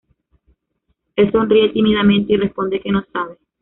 Él sonríe tímidamente y responde que "no sabe".